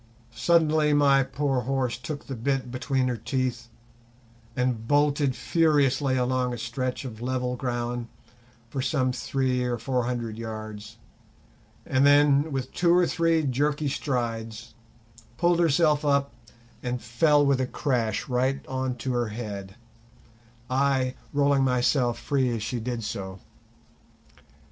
Suddenly my poor horse took the bit between her teeth and bolted furiously along a stretch of level ground for some three or four hundred yards, and then, with two or three jerky strides, pulled herself up and fell with a crash right on to her head, I rolling myself free as she did so.